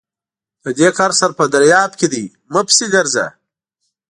د دې کار سر په درياب کې دی؛ مه پسې ګرځه!